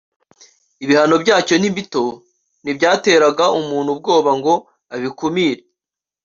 ibihano byacyo ni bito ntibyateraga umuntu ubwoba ngo abikumire